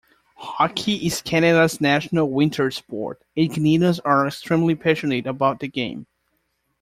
Hockey is Canada's national winter sport, and Canadians are extremely passionate about the game.